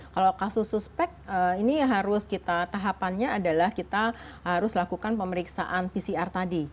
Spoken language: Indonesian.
kalau kasus suspek ini harus kita tahapannya adalah kita harus lakukan pemeriksaan pcr tadi